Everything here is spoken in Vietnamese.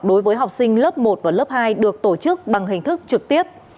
đối với học sinh lớp một và lớp hai được tổ chức bằng hình thức trực tiếp